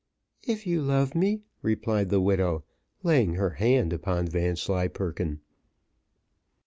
"If you love me," replied the widow, laying her hand upon Vanslyperken.